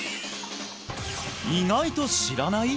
意外と知らない？